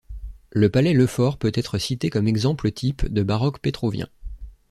Le palais Lefort peut être cité comme exemple type de baroque pétrovien.